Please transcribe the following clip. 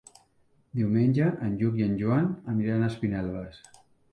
Diumenge en Lluc i en Joan aniran a Espinelves.